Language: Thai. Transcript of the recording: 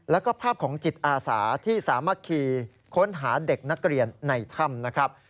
แล้วก็ภาพของจิตอาสาที่สามัคคีค้นหาเด็กนักเรียนในถ้ำนะครับ